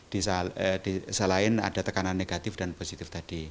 di selain ada tekanan negatif dan positif tadi